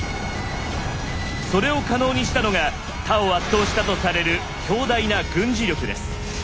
それを可能にしたのが他を圧倒したとされる強大な「軍事力」です。